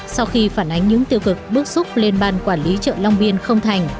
sau khi phản ánh những tiêu cực bức xúc lên ban quản lý chợ long biên không thành